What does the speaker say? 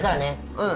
うん。